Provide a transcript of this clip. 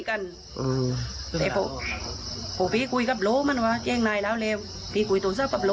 กูไปกันเย็นนะค่ะ